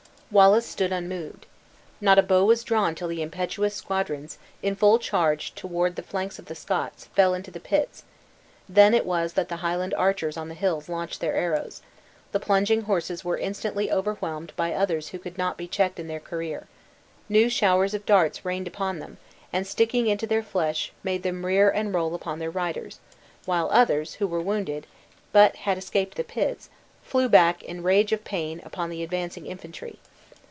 Wallace stood unmoved. Not a bow was drawn till the impetuous squadrons, in full charge toward the flanks of the Scots, fell into the pits; then it was that the Highland archers on the hill launched their arrows; the plunging horses were instantly overwhelmed by others who could not be checked in their career. New showers of darts rained upon them, and, sticking into their flesh, made them rear and roll upon their riders; while others, who were wounded, but had escaped the pits, flew back in rage of pain upon the advancing infantry.